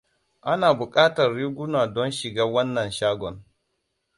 Ana buƙatar riguna don shiga wannan shagon.